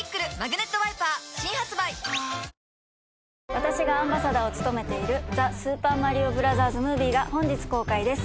私がアンバサダーを務めている『ザ・スーパーマリオブラザーズ・ムービー』が本日公開です。